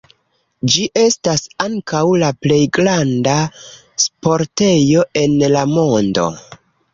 Ĝi estas ankaŭ la plej granda sportejo en la mondo.